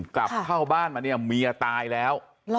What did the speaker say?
กลับเข้าบ้านมาเนี่ยเมียตายแล้ว